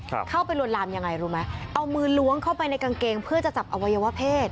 เข้าไปลวนลามยังไงรู้ไหมเอามือล้วงเข้าไปในกางเกงเพื่อจะจับอวัยวะเพศ